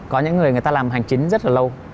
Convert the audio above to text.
có những người người ta làm hành chính rất là lâu